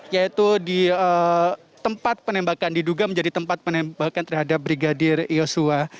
yaitu di tempat penembakan diduga menjadi tempat penembakan terhadap brigadir yosua